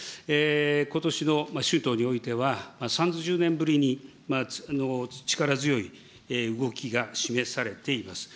ことしの春闘においては、３０年ぶりに力強い動きが示されています。